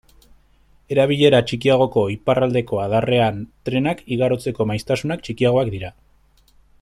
Erabilera txikiagoko iparraldeko adarrean trenak igarotzeko maiztasunak txikiagoak dira.